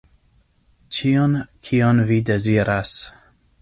Ĉion, kion vi deziras.